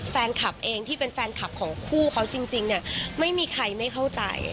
แฟนคลับเองที่เป็นแฟนคลับของคู่เขาจริงเนี่ยไม่มีใครไม่เข้าใจ